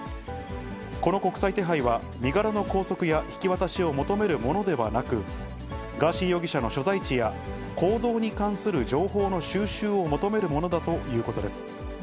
この国際手配は身柄の拘束や引き渡しを求めるものではなく、ガーシー容疑者の所在地や、行動に関する情報の収集を求めるものだということです。